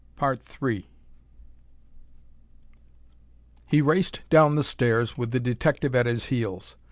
He raced down the stairs with the detective at his heels.